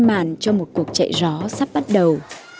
vừa là lời mời cho một cuộc chạy rõ sắp bắt đầu